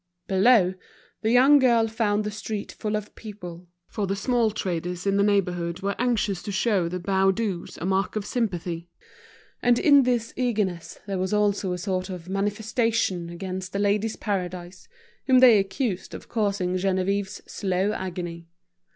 Below, the young girl found the street full of people, for the small traders in the neighborhood were anxious to show the Baudus a mark of sympathy, and in this eagerness there was also a sort of manifestation against The Ladies' Paradise, whom they accused of causing Geneviève's slow agony.